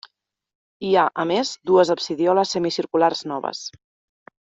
Hi ha, a més, dues absidioles semicirculars noves.